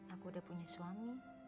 aku udah punya suami